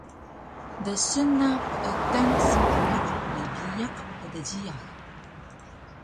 Dsun na peekan spriq dgiyaq kdjiyax